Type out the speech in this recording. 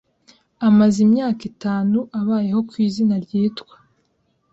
Amaze imyaka itanu abayeho ku izina ryitwa.